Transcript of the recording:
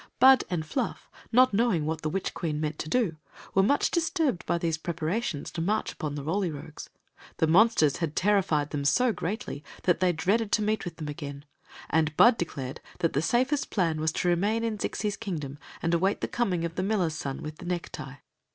Bud and Fluff, not knowing what the witch queen Story of the Magic Cloak 275 meant to do, were much disturbed by these prepara tions to march upon the Roly Rogues. The mon sters had terrified them so greatiy that they dreaded to meet with them again, and Bud declared that the safest plan was to remain in Zixi s kingdom and await the coming of the miller's son with the necktie.